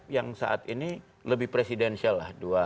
yang saat ini lebih presidensial lah